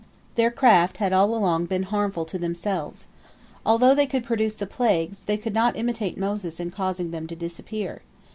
Their craft had all along been harmful to themselves. Although they could produce the plagues, they could not imitate Moses in causing them to disappear.